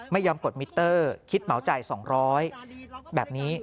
ไม่ยอมกดมิเตอร์คิดเหมาจ่าย๒๐๐แบบนี้